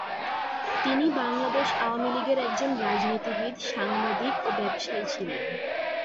তিনি বাংলাদেশ আওয়ামী লীগের একজন রাজনীতিবিদ, সাংবাদিক ও ব্যবসায়ী ছিলেন।